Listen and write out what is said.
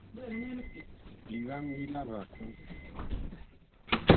Lìhwáŋɡí lá hwàkó.